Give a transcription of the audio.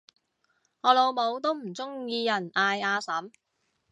我老母都唔鍾意人嗌阿嬸